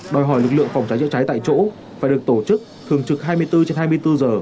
đòi hỏi lực lượng phòng cháy chữa cháy tại chỗ phải được tổ chức thường trực hai mươi bốn trên hai mươi bốn giờ